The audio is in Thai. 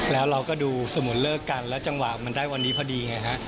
แล้วเราก็ดูสมุนเลิกกันแล้วจังหวะมันได้วันนี้พอดีไงฮะ